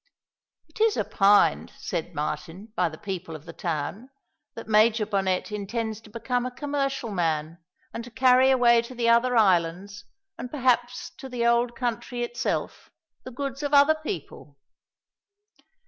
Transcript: "It is opined," said Martin, "by the people of the town, that Major Bonnet intends to become a commercial man, and to carry away to the other islands, and perhaps to the old country itself, the goods of other people."